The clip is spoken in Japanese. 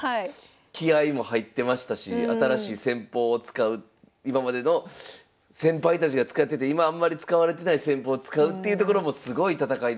気合いも入ってましたし新しい戦法を使う今までの先輩たちが使ってて今あんまり使われてない戦法を使うっていうところもすごい戦いでした。